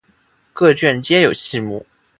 各卷皆有细目。